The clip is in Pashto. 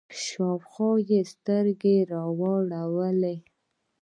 شاوخوا يې سترګې واړولې.